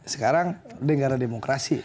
sekarang negara demokrasi